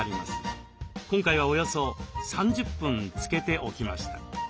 今回はおよそ３０分つけておきました。